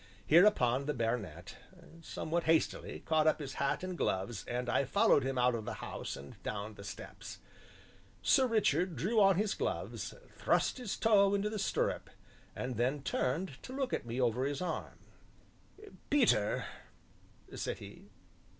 Hereupon the baronet, somewhat hastily, caught up his hat and gloves, and I followed him out of the house and down the steps. Sir Richard drew on his gloves, thrust his toe into the stirrup, and then turned to look at me over his arm. "Peter," said he.